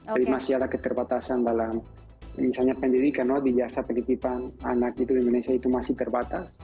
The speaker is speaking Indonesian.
jadi masih ada keterbatasan dalam misalnya pendidikan di jasa pendidikan anak itu di indonesia itu masih terbatas